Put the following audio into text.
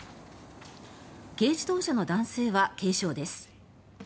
軽自動車の男性は軽傷です。